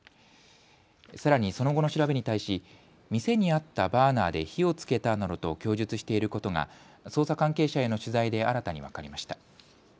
さらにその後の調べに対し店にあったバーナーで火をつけたなどと供述していることが捜査関係者への取材で新たに分かりました。